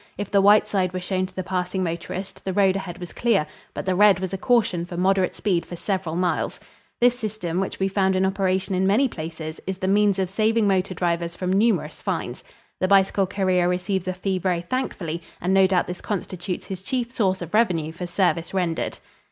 If the white side were shown to the passing motorist, the road ahead was clear; but the red was a caution for moderate speed for several miles. This system, which we found in operation in many places, is the means of saving motor drivers from numerous fines. The bicycle courier receives a fee very thankfully and no doubt this constitutes his chief source of revenue for service rendered.